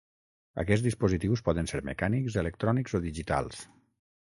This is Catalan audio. Aquests dispositius poden ser mecànics, electrònics o digitals.